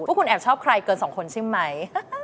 คุณแอบชอบใครเกินสองคนใช่ไหม